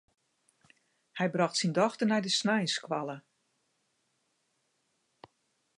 Hy brocht syn dochter nei de sneinsskoalle.